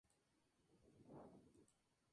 Ribera del Duero se encuentra en Roa.